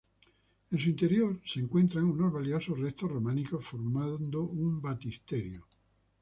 En su interior se encuentran unos valiosos restos románicos formando un baptisterio.